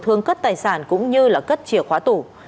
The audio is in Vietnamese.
thương cất tài sản cũng như cất chìa khóa tủ